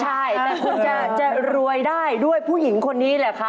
ใช่แต่คุณจะรวยได้ด้วยผู้หญิงคนนี้แหละครับ